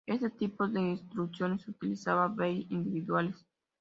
Este tipo de instrucciones utilizaba bytes individuales.